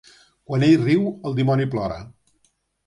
Quan ell riu, el dimoni plora.